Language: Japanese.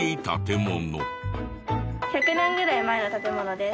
１００年ぐらい前の建物です。